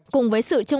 cùng với sự truyền thông